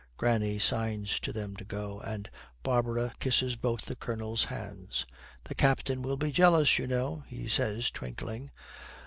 Granny signs to them to go, and Barbara, kisses both the Colonel's hands. 'The Captain will be jealous, you know,' he says, twinkling.